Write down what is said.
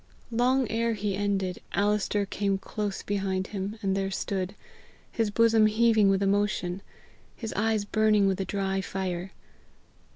Long ere he ended, Alister came close behind him, and there stood, his bosom heaving with emotion, his eyes burning with a dry fire.